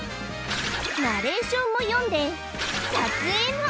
ナレーションも読んで撮影も！